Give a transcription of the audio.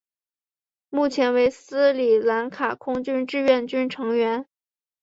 目前为斯里兰卡空军志愿军成员。